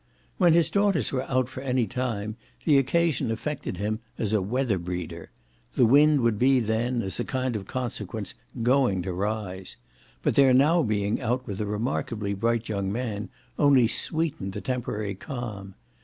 When his daughters were out for any time the occasion affected him as a "weather breeder" the wind would be then, as a kind of consequence, GOING to rise; but their now being out with a remarkably bright young man only sweetened the temporary calm.